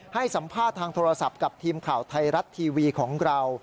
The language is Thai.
ให้สัมภาษณ์ทางโทรศัพท์กับทีมข่าวไทยรัฐทีวีของเรา